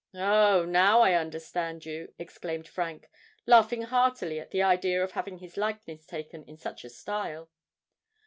"Oh! now I understand you," exclaimed Frank, laughing heartily at the idea of having his likeness taken in such a style.